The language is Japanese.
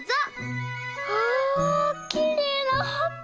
わあきれいなはこ！